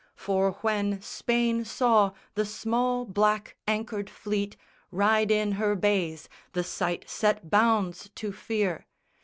For when Spain saw the small black anchored fleet Ride in her bays, the sight set bounds to fear.